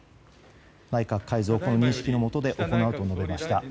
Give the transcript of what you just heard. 内閣改造をこの認識のもとで行うと述べました。